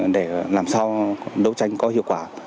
để làm sao đấu tranh có hiệu quả